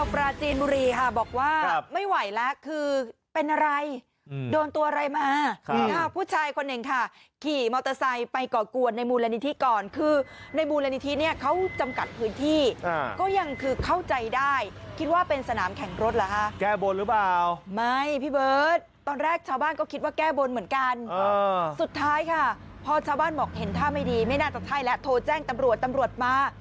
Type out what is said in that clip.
ผู้ชายผู้ชายค่ะขี่มอเตอร์ไซด์ไปก่อกวนในมูลนิธิก่อนคือในมูลนิธิเนี่ยเขาจำกัดพื้นที่ก็ยังคือเข้าใจได้คิดว่าเป็นสนามแข่งรถหรอคะแก้บนหรือเปล่าไม่พี่เบิร์ทตอนแรกชาวบ้านก็คิดว่าแก้บนเหมือนกันสุดท้ายค่ะพ่อชาวบ้านบอกเห็นท่าไม่ดีไม่น่าจะใช่แล้วโทรแจ้งตำรวจตำรวจ